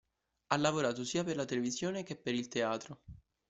Ha lavorato sia per la televisione che per il teatro.